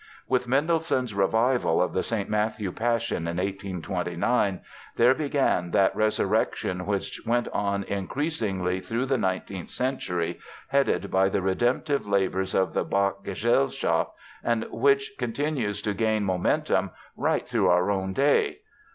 With Mendelssohn's revival of the St. Matthew Passion in 1829 there began that resurrection which went on increasingly through the nineteenth century, headed by the redemptive labors of the Bach Gesellschaft, and which continues to gain momentum right through our own day.